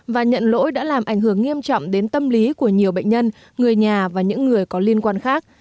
và nhận lỗi đã làm ảnh hưởng nghiêm trọng đến tâm lý của nhiều bệnh nhân người nhà và những người có liên quan khác